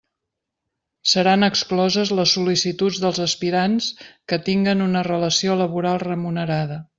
Seran excloses les sol·licituds dels aspirants que tinguen una relació laboral remunerada.